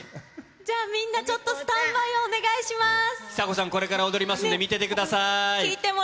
じゃあ、みんなちょっとスタ久子さん、これから踊りますんで、見ててください。